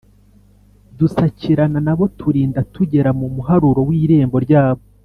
dusakirana na bo turinda tugera mu muharuro w’irembo ryabo.